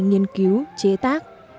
nghiên cứu chế tác